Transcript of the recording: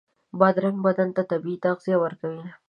بادرنګ بدن ته طبعي تغذیه ورکوي.